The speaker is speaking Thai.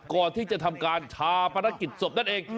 ก่อนที่จะทำการชาปนกิจศพนั่นเอง